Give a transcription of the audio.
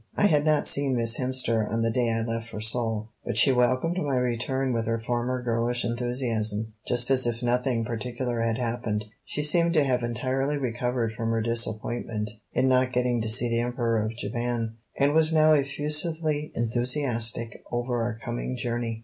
I had not seen Miss Hemster on the day I left for Seoul, but she welcomed my return with her former girlish enthusiasm, just as if nothing particular had happened. She seemed to have entirely recovered from her disappointment in not getting to see the Emperor of Japan, and was now effusively enthusiastic over our coming journey.